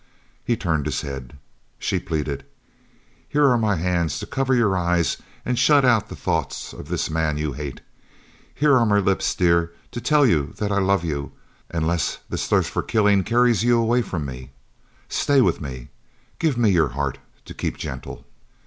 He turned his head. She pleaded: "Here are my hands to cover your eyes and shut out the thoughts of this man you hate. Here are my lips, dear, to tell you that I love you unless this thirst for killing carries you away from me. Stay with me! Give me your heart to keep gentle!"